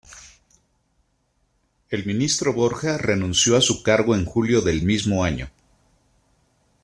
El ministro Borja renunció a su cargo en julio del mismo año.